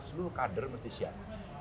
seluruh kader harus disiapkan